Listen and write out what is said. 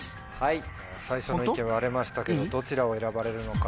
最初の意見割れましたけどどちらを選ばれるのか？